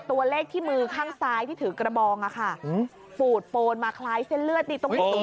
ตัวเลขที่มือข้างซ้ายที่ถือกระบองอะค่ะปูดโปนมาคล้ายเส้นเลือดนี่ตรงนี้